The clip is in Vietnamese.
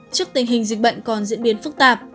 trước tình hình dịch bệnh còn diễn biến phức tạp